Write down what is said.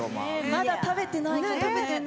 まだ食べてないね。